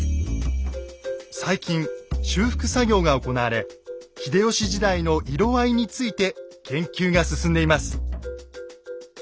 最近修復作業が行われ秀吉時代の色合いについて研究が進んでいます。